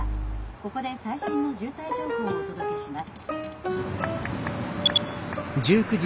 ここで最新の渋滞情報をお届けします」。